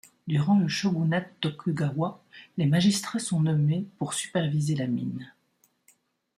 Durant le shogunat Tokugawa, des magistrats sont nommés pour superviser la mine.